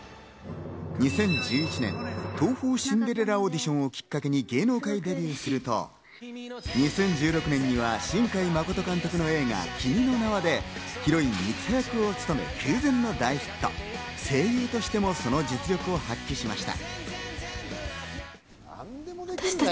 ２０１１年東宝シンデレラオーディションをきっかけに芸能界デビューをすると２０１６年には新海誠監督の映画『君の名は。』でヒロイン・三葉役の声を担当し、声優としても実力を発揮しました。